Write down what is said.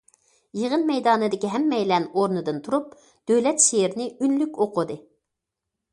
يىغىن مەيدانىدىكى ھەممەيلەن ئورنىدىن تۇرۇپ، دۆلەت شېئىرىنى ئۈنلۈك ئوقۇدى.